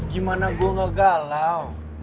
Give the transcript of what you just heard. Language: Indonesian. gimana gua gak galau